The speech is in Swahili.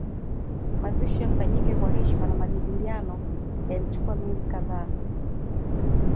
Mazishi yafanyike kwa heshima na majadiliano yalichukua miezi kadhaa